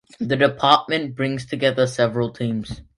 The department brings together several teams.